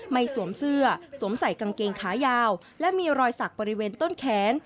สวมเสื้อสวมใส่กางเกงขายาวและมีรอยสักบริเวณต้นแขน